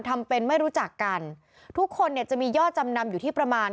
ทำเป็นไม่รู้จักกันทุกคนเนี่ยจะมียอดจำนำอยู่ที่ประมาณ